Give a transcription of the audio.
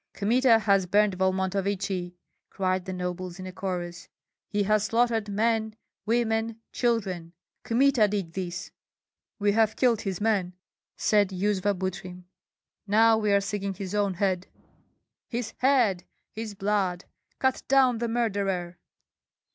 "Kmita has burned Volmontovichi!" cried the nobles, in a chorus. "He has slaughtered men, women, children, Kmita did this." "We have killed his men," said Yuzva Butrym; "now we are seeking his own head." "His head, his blood! Cut down the murderer!"